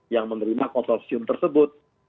yang menerima konsorsium tersebut